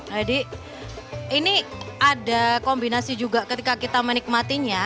jadi ini ada kombinasi juga ketika kita menikmatinya